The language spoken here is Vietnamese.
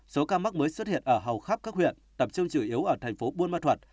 số ca mắc mới xuất hiện ở hầu khắp các huyện tập trung chủ yếu ở thành phố buôn ma thuật